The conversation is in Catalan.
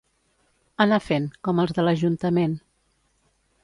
Anar fent, com els de l'ajuntament.